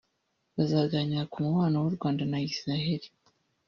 bazaganira ku mubano w’u Rwanda na Isiraheli